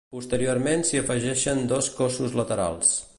Posteriorment s'hi afegiren dos cossos laterals.